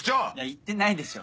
言ってないでしょ。